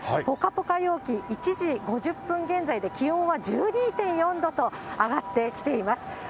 ぽかぽか陽気、１時５０分現在で気温は１２．４度と、上がってきています。